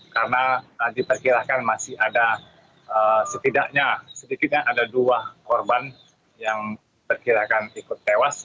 karena diperkirakan masih ada setidaknya sedikitnya ada dua korban yang diperkirakan ikut tewas